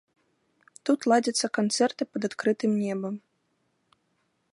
Тут ладзяцца канцэрты пад адкрытым небам.